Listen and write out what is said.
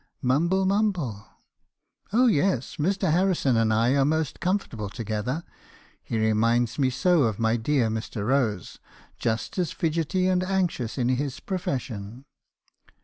"Mumble, mumble. u 'Oh yes, Mr. Harrison and I are most comfortable to gether. He reminds me so of my dear Mr. Rose ;— just as fid getty and anxious in his profession.'